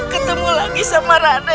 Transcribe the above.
ketemu lagi sama raden